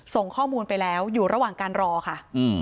ส่งข้อมูลไปแล้วอยู่ระหว่างการรอค่ะ